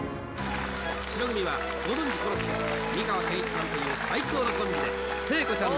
「白組はご存じコロッケ美川憲一さんという最高のコンビで聖子ちゃんの『秘密の花園』です」